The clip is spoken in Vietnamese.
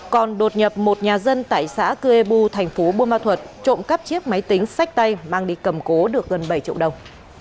còn đột nhập một nhà dân tại xã cư ê bu thành phố bô ma thuật trộm cắp chiếc máy tính sách tay mang đi cầm cố được gần bảy triệu đồng